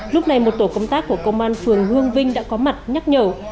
lúc này một tổ công tác của công an phường hương vinh đã có mặt nhắc nhở